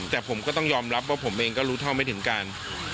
แต่ผมก็ต้องยอมรับว่าผมเองก็รู้เท่าไม่ถึงการ